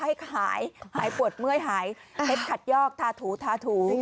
ให้หายหายปวดเมื่อยหายเจ็บขัดยอกทาถูทาถู